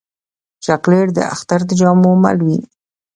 چاکلېټ د اختر د جامو مل وي.